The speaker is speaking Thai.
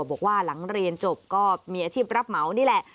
บอกว่าหลังเรียนจบก็มีอาชีพรับเหมานี่แหละ